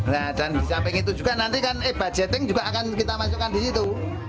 nah dan di samping itu juga nanti kan e budgeting juga akan kita masukkan di situ